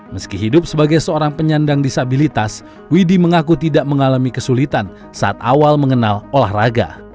meski hidup sebagai seorang penyandang disabilitas widhi mengaku tidak mengalami kesulitan saat awal mengenal olahraga